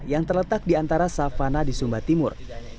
yang terletak di antara savana di sumba timur